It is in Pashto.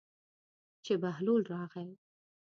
چې بهلول راغی.